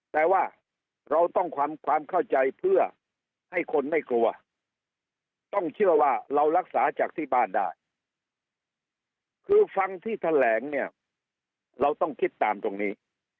แต่ว่าเราต้องความเข้าใจเพื่อให้คนไม่กลัวต้องเชื่อว่าเรารักษาจากที่บ้านได้คือฟังที่แถลงเนี่ยเราต้องคิดตามตรงนี้